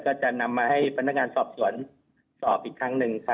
ก็จะนำมาให้พนักงานสอบสวนสอบอีกครั้งหนึ่งค่ะ